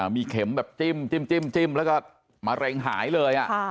มีเข็มแบบจิ้มจิ้มจิ้มจิ้มแล้วก็มะเร็งหายเลย